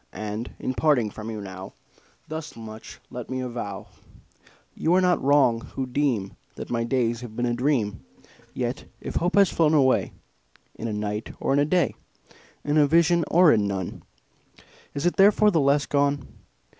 And, in parting from you now, Thus much let me avow You are not wrong, who deem That my days have been a dream; Yet if Hope has flown away In a night, or in a day, In a vision, or in none, Is it therefore the less gone?